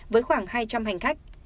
với khoảng hai trăm linh hành khách